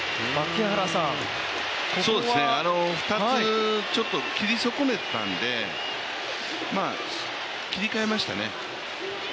２つ切り損ねたんで、切り替えましたね。